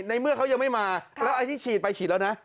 ในเมื่อเขายังไม่มาแล้วไอ้ที่ฉีดไปฉีดแล้วนะ